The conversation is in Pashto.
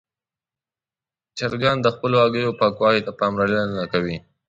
چرګان د خپلو هګیو پاکوالي ته پاملرنه کوي.